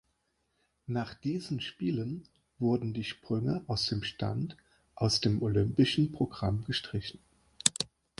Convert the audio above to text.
Nach diesen Spielen wurden die Sprünge aus dem Stand aus dem olympischen Programm gestrichen.